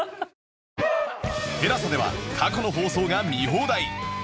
ＴＥＬＡＳＡ では過去の放送が見放題